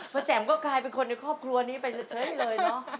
แจ๋มก็กลายเป็นคนในครอบครัวนี้ไปเฉยเลยเนอะ